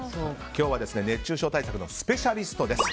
今日は熱中症対策のスペシャリストです。